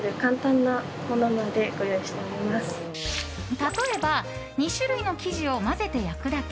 例えば２種類の生地を混ぜて焼くだけ。